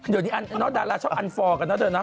เดี๋ยวนี้น้องดาราชอบอันฟอร์กันนะเดี๋ยวเนอะ